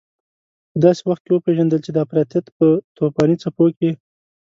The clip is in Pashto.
په داسې وخت کې وپېژندل چې د افراطيت په توپاني څپو کې.